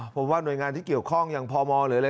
ผมว่าหน่วยงานที่เกี่ยวข้องอย่างพมหรืออะไร